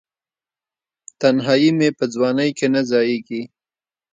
تنهایې مې په ځوانۍ کې نه ځائیږې